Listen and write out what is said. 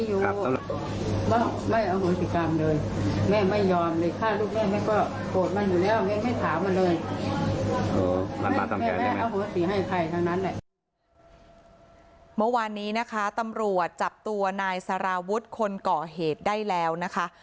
เมื่อวานนี้นะคะตำรวจจับตัวนายสารวุฒิคนก่อเหตุได้แล้วนะคะ